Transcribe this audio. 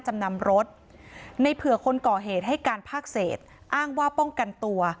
จำนำรถในเผื่อคนก่อเหตุให้การภาคเศษอ้างว่าป้องกันตัว